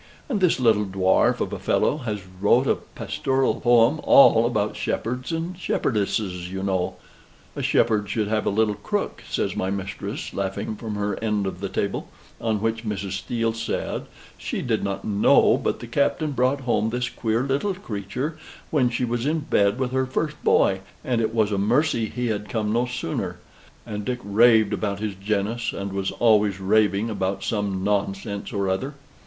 And this little dwarf of a fellow has wrote a pastoral poem all about shepherds and shepherdesses, you know." "A shepherd should have a little crook," says my mistress, laughing from her end of the table: on which Mrs. Steele said, "She did not know, but the Captain brought home this queer little creature when she was in bed with her first boy, and it was a mercy he had come no sooner; and Dick raved about his genus, and was always raving about some nonsense or other."